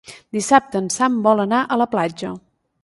Dissabte en Sam vol anar a la platja.